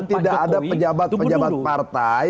tidak ada pejabat pejabat partai